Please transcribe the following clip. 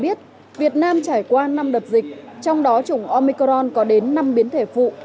bộ y tế cho biết việt nam trải qua năm đợt dịch trong đó chủng omicron có đến năm biến thể phụ